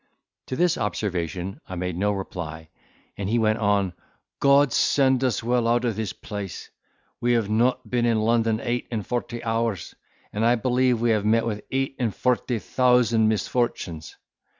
To this observation I made no reply, and he went on: "God send us well out of this place; we have not been in London eight and forty hours, and I believe we have met with eight and forty thousand misfortunes.